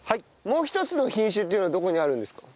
もう一つの品種っていうのはどこにあるんですか？